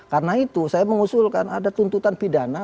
karena itu saya mengusulkan ada tuntutan pidana